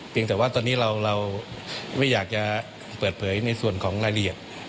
แต่ว่าตอนนี้เราไม่อยากจะเปิดเผยในส่วนของรายละเอียด